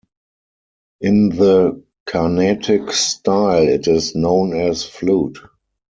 In the Carnatic style, it is known as flute.